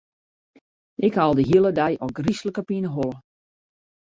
Ik ha al de hiele dei ôfgryslike pineholle.